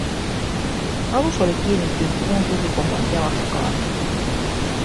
Alus oli kiinnittynyt kuun tukikohdan telakkaan.